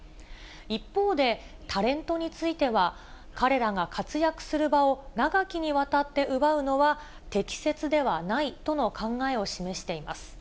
一方で、タレントについては、彼らが活躍する場を長きにわたって奪うのは、適切ではないとの考えを示しています。